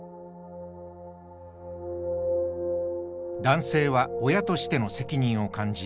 男性は親としての責任を感じ